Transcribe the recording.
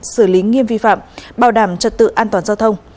xử lý nghiêm vi phạm bảo đảm trật tự an toàn giao thông